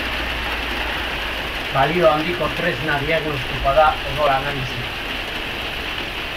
Balio handiko tresna diagnostikoa da odol-analisia.